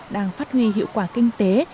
đang phát huy hiệu quả kinh tế